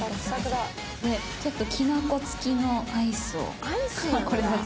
ちょっときな粉付きのアイスを。